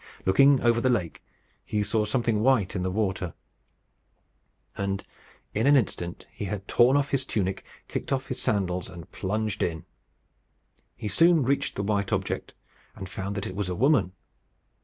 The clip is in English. Looking over the lake, he saw something white in the water; and, in an instant, he had torn off his tunic, kicked off his sandals, and plunged in. He soon reached the white object, and found that it was a woman.